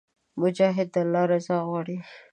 مجاهد د الله رضا غواړي.